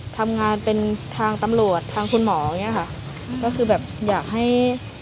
ทำงานเป็นทางตำรวจทางคุณหมออย่างเงี้ค่ะก็คือแบบอยากให้